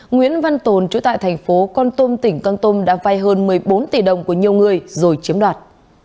nguyễn văn tồn chủ tại thành phố con tôm tỉnh con tôm đã vai hơn một mươi bốn tỷ đồng của nhiều người rồi chiếm đoạt